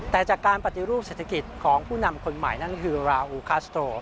แต่จากการปฏิรูปเศรษฐกิจของผู้นำคนใหม่นั่นคือราอูคาสโตร